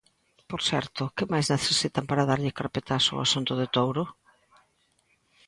Por certo, ¿que máis necesitan para darlle carpetazo ao asunto de Touro?